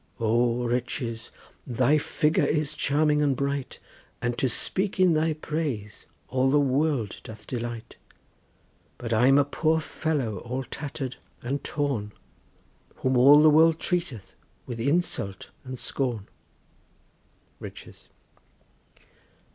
O Riches, thy figure is charming and bright, And to speak in thy praise all the world doth delight, But I'm a poor fellow all tatter'd and torn, Whom all the world treateth with insult and scorn. RICHES.